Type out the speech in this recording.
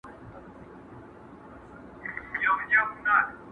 را ستنیږي به د وینو سېل وهلي!.